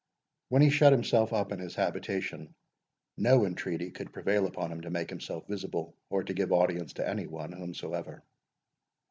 When he shut himself up in his habitation, no entreaty could prevail upon him to make himself visible, or to give audience to any one whomsoever.